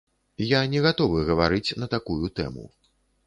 Я не гатовы гаварыць на такую тэму.